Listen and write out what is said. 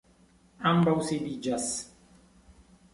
Ambaŭ sidiĝas.